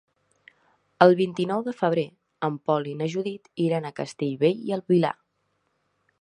El vint-i-nou de febrer en Pol i na Judit iran a Castellbell i el Vilar.